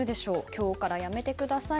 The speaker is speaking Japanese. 今日からやめてください